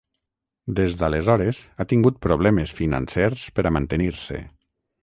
Des d'aleshores, ha tingut problemes financers per a mantenir-se.